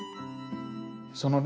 そのね